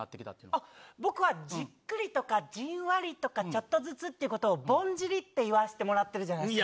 あっ、僕はじっくりとか、じんわりとか、ちょっとずつということを、ぼんじりっていわせてもらってるじゃないですか。